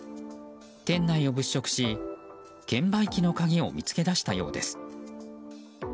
店内を物色し、券売機の鍵を見つけ出したようです。